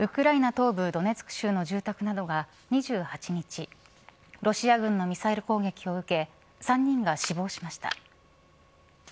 東部ドネツク州の住宅などが２８日ロシア軍のミサイル攻撃を受け３人が死亡しました。